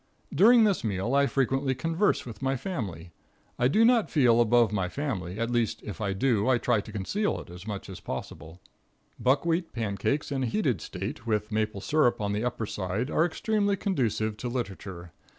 During this meal I frequently converse with my family. I do not feel above my family, at least, if I do, I try to conceal it as much as possible. Buckwheat pancakes in a heated state, with maple syrup on the upper side, are extremely conducive to literature.